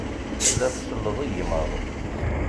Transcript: Tella tselleḍ igmaḍ.